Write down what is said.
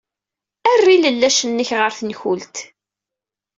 Err ilellac-nnek ɣer tenkult.